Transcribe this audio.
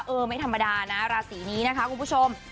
เออไม่ธรรมดานะราศีนี้นะคะคุณผู้ชม